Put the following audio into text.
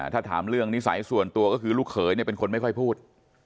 ถ้าถามเรื่องนิสัยส่วนตัวก็คือลูกเขยเป็นคนไม่ค่อยพูด